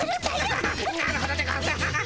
アハハなるほどでゴンス。